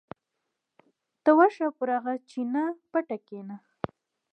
ته ورشه پر هغه چینه پټه کېنه.